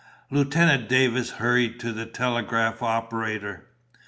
Lieutenant Davis hurried to the telegraph operator.